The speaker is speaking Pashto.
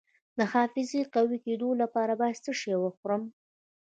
د حافظې د قوي کیدو لپاره باید څه شی وخورم؟